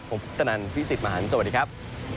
ผมพุทธนันพี่สิทธิ์มหันฯสวัสดีครับ